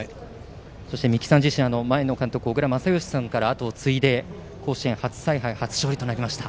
そして三木さん自身前の監督、小倉全由さんから後を継いで、甲子園初采配で初勝利となりました。